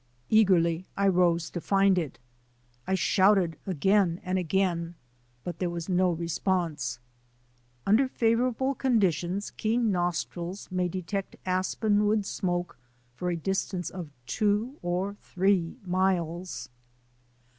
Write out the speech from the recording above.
Eagerly I rose to find it. I shouted again and again but there was no response. Under favourable conditions, keen nostrils may detect aspen wood smoke for a distance of two or three miles.